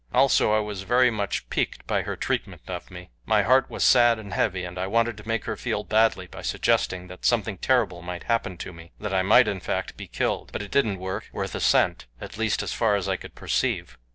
Also, I was very much piqued by her treatment of me. My heart was sad and heavy, and I wanted to make her feel badly by suggesting that something terrible might happen to me that I might, in fact, be killed. But it didn't work worth a cent, at least as far as I could perceive.